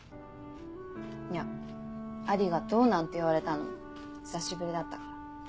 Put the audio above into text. いや「ありがとう」なんて言われたの久しぶりだったから。